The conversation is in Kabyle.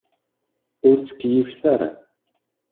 Ur ttkeyyifet ara.